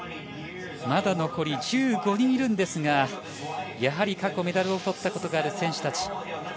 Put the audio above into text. まだ残り１５人いるんですがやはり過去メダルを取ったことがある選手たち